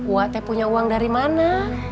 wa teh punya uang dari mana